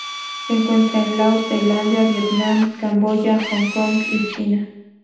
Se encuentra en Laos, Tailandia, Vietnam, Camboya, Hong Kong y China.